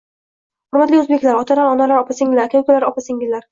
Hurmatli o'zbeklar, otalar, onalar, opa -singillar, aka -ukalar, opa -singillar